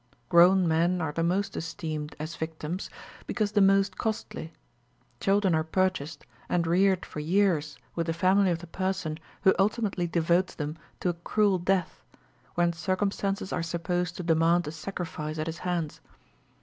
Grown men are the most esteemed (as victims), because the most costly. Children are purchased, and reared for years with the family of the person who ultimately devotes them to a cruel death, when circumstances are supposed to demand a sacrifice at his hands.